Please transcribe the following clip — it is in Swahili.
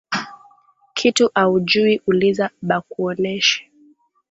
Kitu aujuwi uliza bakuoneshe